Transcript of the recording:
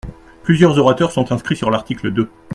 Plusieurs orateurs sont inscrits sur l’article deux.